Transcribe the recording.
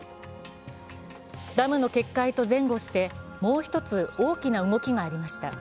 ダムの決壊と前後してもう一つ大きな動きがありました。